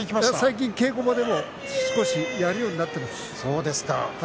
最近、稽古場でも少しやるようになっています。